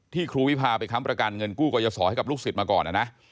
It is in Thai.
ครูวิพาไปค้ำประกันเงินกู้กรยาศรให้กับลูกศิษย์มาก่อนนะ